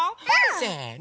せの！